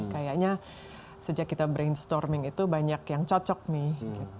kayaknya sejak kita brainstorming itu banyak yang cocok nih